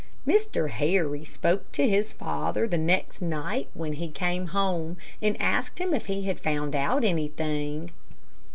Mr. Harry spoke to his father the next night when he came home, and asked him if he had found out anything.